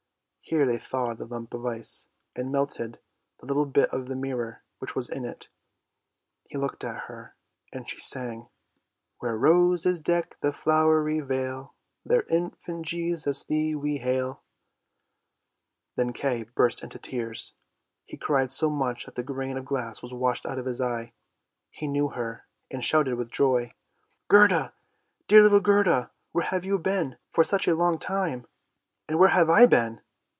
Here they thawed the lump of ice, and melted the little bit of the mirror which was in it. He looked at her, and she sang, —" Where roses deck the flowery vale, There, Infant Jesus, thee we hail! " 2i 4 ANDERSEN'S FAIRY TALES Then Kay burst into tears; he cried so much that the grain of glass was washed out of his eye. He knew her, and shouted with joy, " Gerda, dear little Gerda! where have you been for such a long time? And where have I been?